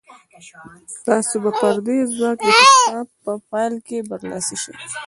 تاسې به پر دې ځواک د کتاب په پيل کې برلاسي شئ.